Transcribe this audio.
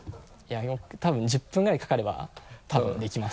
多分１０分ぐらいかかれば多分できます。